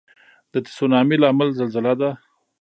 د تسونامي لامل زلزله ده.